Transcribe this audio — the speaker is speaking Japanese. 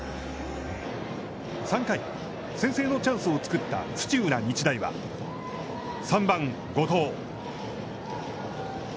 ３回、先制のチャンスを作った土浦日大は３番、後藤。